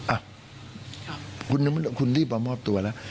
อ่ะคุณรีบมามอบตัวแล้ว